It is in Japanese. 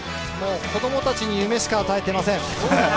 子どもたちに夢しか与えてません！